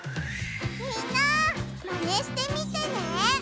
みんなマネしてみてね！